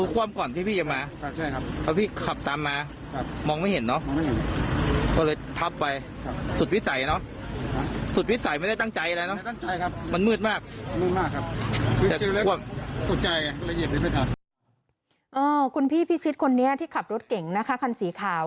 คุณพี่พิชิตคนนี้ที่ขับรถเก่งนะคะคันสีขาว